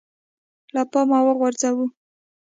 له پامه وغورځوو